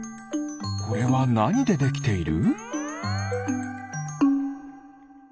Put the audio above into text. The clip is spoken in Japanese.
これはなにでできている？